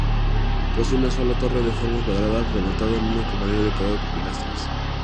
Posee una sola torre de forma cuadrada, rematada en un campanario decorado con pilastras.